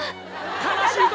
悲しい時。